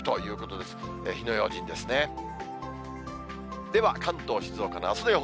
では、関東、静岡のあすの予報。